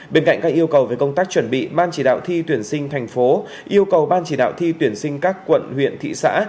bên cạnh các yêu cầu về công tác chuẩn bị ban chỉ đạo thi tuyển sinh thành phố yêu cầu ban chỉ đạo thi tuyển sinh các quận huyện thị xã